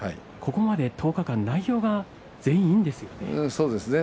ここまで１０日間内容がいいですよね。